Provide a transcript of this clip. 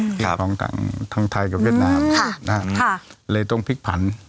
ครับของต่างทั้งไทยกับเย็นดาลค่ะนะฮะค่ะเลยต้องพิกผัน